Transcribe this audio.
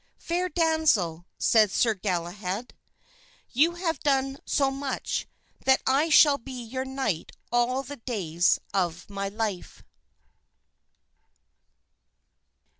"Fair damsel," said Sir Galahad, "you have done so much, that I shall be your knight all the days of my life."